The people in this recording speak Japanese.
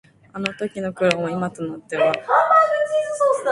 あの時の苦労も、今となっては「喉元過ぎれば熱さを忘れる」だね。